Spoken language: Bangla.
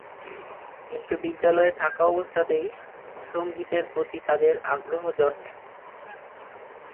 কিন্তু বিদ্যালয়ে থাকা অবস্থাতেই সঙ্গীতের প্রতি তাদের আগ্রহ জন্মে।